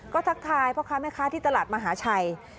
ก็ทักทายพ่อค้าแม่ค้าที่ตลาดมหาชัย